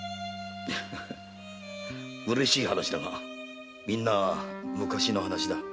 嬉しい話だがみんな昔の話だ。